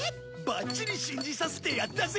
バッチリ信じさせてやったぜ！